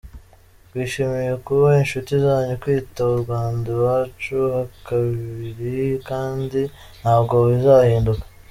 Twishimiye kuba inshuti zanyu, kwita u Rwanda iwacu hakabiri kandi ntabwo bizahinduka.